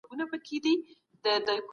هر ډول څېړنه خپله ګټه لري.